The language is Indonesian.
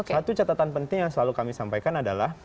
satu catatan penting yang selalu kami sampaikan adalah